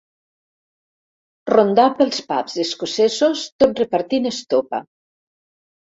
Rondar pels pubs escocesos tot repartint estopa.